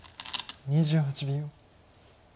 ２８秒。